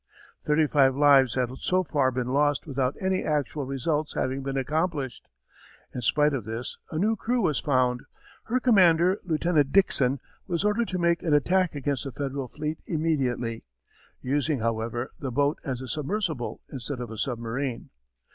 Thirty five lives had so far been lost without any actual results having been accomplished. In spite of this a new crew was found. Her commander, Lieutenant Dixon, was ordered to make an attack against the Federal fleet immediately, using, however, the boat as a submersible instead of a submarine.